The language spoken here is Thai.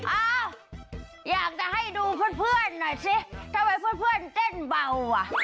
อ้าวอยากจะให้ดูเพื่อนหน่อยสิทำไมเพื่อนเต้นเบาอ่ะ